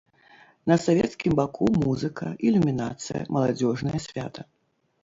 На савецкім баку музыка, ілюмінацыя, маладзёжнае свята.